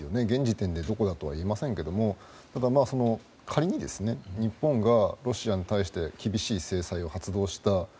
現時点で何も言えませんけど仮に、日本がロシアに対して厳しい制裁を発動した。